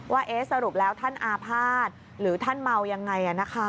ว่าสรุปแล้วท่านอาภาษณ์หรือท่านเมายังไง